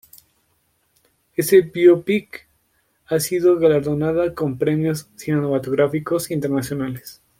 Este biopic ha sido galardonada con premios cinematográficos internacionales.